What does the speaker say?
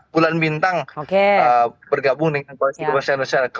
bulan bintang bergabung dengan koalisi kebangkitan indonesia raya